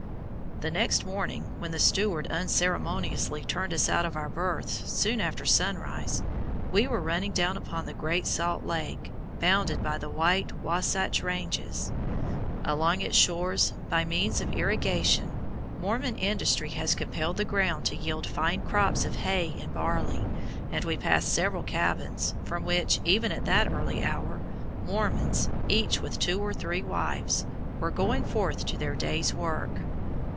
The next morning, when the steward unceremoniously turned us out of our berths soon after sunrise, we were running down upon the Great Salt Lake, bounded by the white Wahsatch ranges. Along its shores, by means of irrigation, Mormon industry has compelled the ground to yield fine crops of hay and barley; and we passed several cabins, from which, even at that early hour, Mormons, each with two or three wives, were going forth to their day's work.